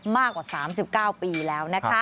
มากกว่า๓๙ปีแล้วนะคะ